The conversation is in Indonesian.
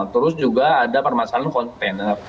terus juga ada permasalahan kontainer